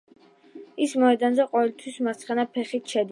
ის მოედანზე ყოველთვის მარცხენა ფეხით შედის.